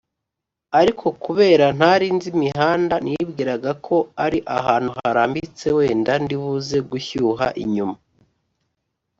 Ariko kubera ntarinzi imihanda nibwiraga ko ari ahantu harambitse wenda ndibuze gushyuha nyuma